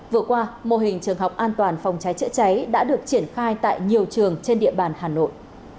vừa qua mô hình trường học an toàn phòng cháy chữa cháy đã được triển khai tại nhiều trường trên địa bàn hà nội